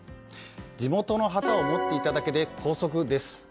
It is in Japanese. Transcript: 地元の旗を持っていただけで拘束です。